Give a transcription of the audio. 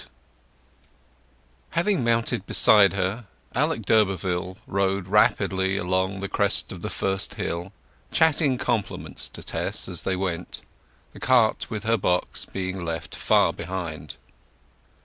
VIII Having mounted beside her, Alec d'Urberville drove rapidly along the crest of the first hill, chatting compliments to Tess as they went, the cart with her box being left far behind.